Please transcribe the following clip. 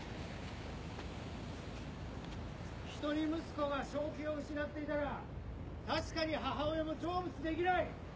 一人息子が正気を失っていたら確かに母親も成仏できない。